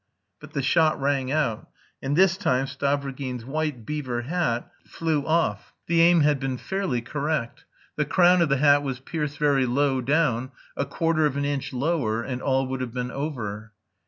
But the shot rang out, and this time Stavrogin's white beaver hat flew off. The aim had been fairly correct. The crown of the hat was pierced very low down; a quarter of an inch lower and all would have been over.